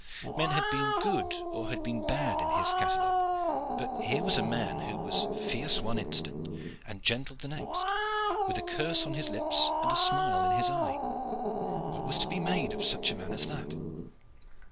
Men had been good or had been bad in his catalogue, but here was a man who was fierce one instant and gentle the next, with a curse on his lips and a smile in his eye. What was to be made of such a man as that?